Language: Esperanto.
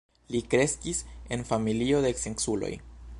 Li kreskis en familio de scienculoj.